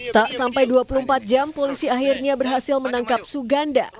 tak sampai dua puluh empat jam polisi akhirnya berhasil menangkap suganda